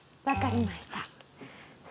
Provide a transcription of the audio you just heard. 分かりました。